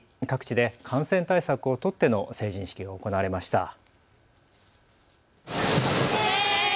各地で感染対策を取っての成人式が行われました。